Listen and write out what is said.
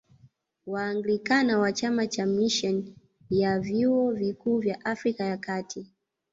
Waanglikana wa chama cha Misheni ya Vyuo Vikuu kwa Afrika ya Kati